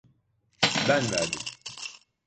Ben verdim.